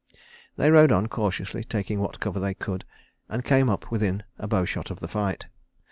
They rode on cautiously, taking what cover they could, and came up within a bowshot of the fight.